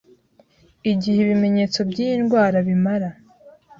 igihe ibimenyetso by'iyi ndwara bimara